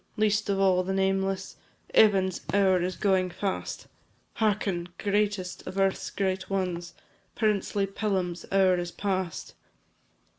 least of all the nameless; Evan's hour is going fast; Hearken! greatest of earth's great ones Princely Pelham's hour is past.